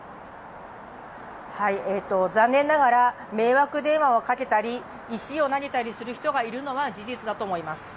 残念ながら、迷惑電話をかけたり石を投げたりする人がいるのは事実だと思います。